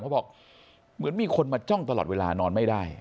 บอกเหมือนมีคนมาจ้องตลอดเวลานอนไม่ได้